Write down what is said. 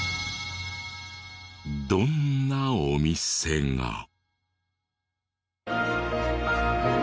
どんなお店が。